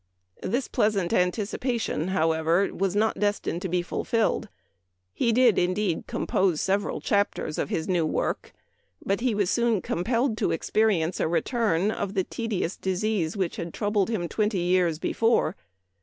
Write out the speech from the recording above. This pleasant anticipation, how ever, was not destined to be fulfilled. He did, indeed, compose several chapters of his new work, but he was soon compelled to experience a return of the tedious disease which had troubled him twenty years before.